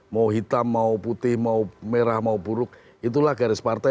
mau hitam mau putih mau merah mau buruk itulah garis partai